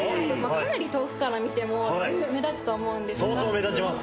かなり遠くから見ても目立つと思うんですが相当目立ちます